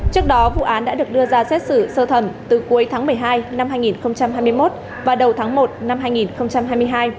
trước đó vụ án đã được đưa ra xét xử sơ thẩm từ cuối tháng một mươi hai năm hai nghìn hai mươi một và đầu tháng một năm hai nghìn hai mươi hai